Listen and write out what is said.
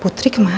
putri kemana ya